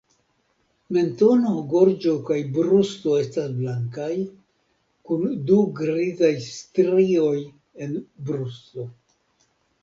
Mentono, gorĝo kaj brusto estas blankaj, kun du grizaj strioj en brusto.